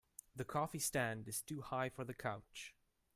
The coffee stand is too high for the couch.